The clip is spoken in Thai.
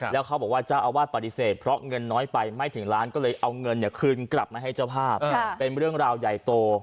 แล้วเขาบอกว่าเจ้าอาวาสปฏิเสธเพราะเงินน้อยไปไม่ถึงล้านก็เลยเอาเงินคืนกลับมาให้เจ้าภาพเป็นเรื่องราวใหญ่โต